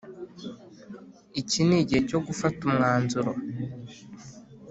Iki ni igihe cyo gufata umwanzuro